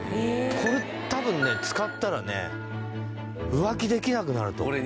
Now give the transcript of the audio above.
これ多分ね使ったらね浮気できなくなると思う。